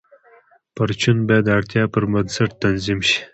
پرچون باید د اړتیا پر بنسټ تنظیم شي.